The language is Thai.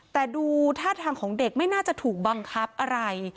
แต่ดูท่าทางของเด็กไม่น่าจะถูกบังคับอะไร